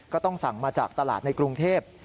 ก็ต้องสั่งมาจากตลาดในกรุงเทพ